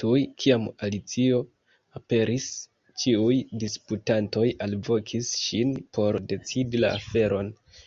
Tuj kiam Alicio aperis, ĉiuj disputantoj alvokis ŝin por decidi la aferon.